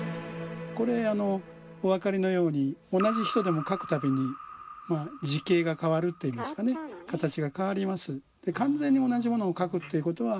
これお分かりのように同じ人でも書く度に字形が変わるといいますかね形が変わります。